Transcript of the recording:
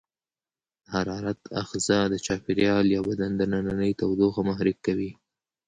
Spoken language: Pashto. د حرارت آخذه د چاپیریال یا بدن دننۍ تودوخه محرک کوي.